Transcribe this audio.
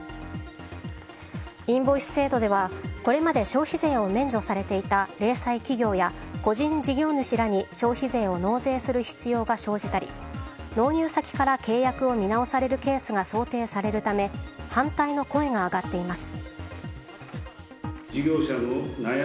インボイス制度ではこれまで消費税を免除されていた零細企業や個人事業主らに消費税を納税する必要が生じたり納入先から契約を見直されるケースが想定されるため反対の声が上がっています。